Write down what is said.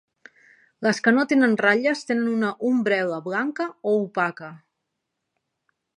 Les que no tenen ratlles tenen una umbel·la blanca o opaca.